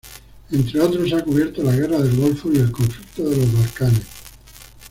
Entre otros, ha cubierto la guerra del Golfo y el conflicto de los Balcanes.